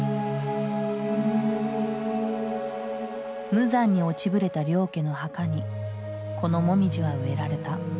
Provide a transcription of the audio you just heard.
無残に落ちぶれた領家の墓にこのモミジは植えられた。